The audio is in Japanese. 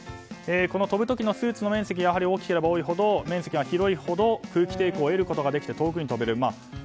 飛ぶ時のスーツの面積が大きければ大きいほど面積が広いほど、空気抵抗を得ることができて、遠くに飛べる。